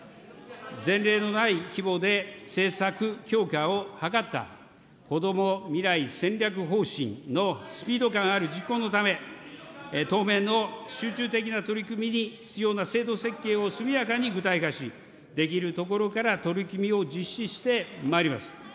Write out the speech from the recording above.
前例のない規模で政策強化を図った、こども未来戦略方針のスピード感ある実行のため、当面の集中的な取り組みに必要な制度設計を速やかに具体化し、できるところから取り組みを実施してまいります。